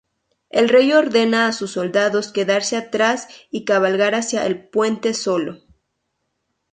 El Rey ordena a sus soldados quedarse atrás y cabalga hacia el puente solo.